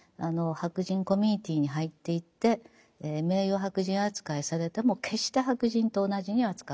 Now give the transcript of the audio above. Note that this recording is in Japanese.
白人コミュニティーに入っていって名誉白人扱いされても決して白人と同じには扱われないという。